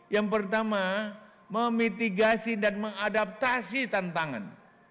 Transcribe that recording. yang pertama memitigasi dan mengadaptasi tantangan